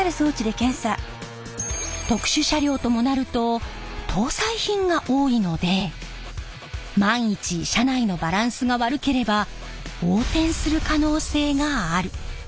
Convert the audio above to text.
特殊車両ともなると搭載品が多いので万一車内のバランスが悪ければ横転する可能性がある。